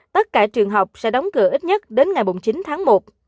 tất cả trường học sẽ đóng cửa ít nhất đến ngày bốn mươi chín tháng một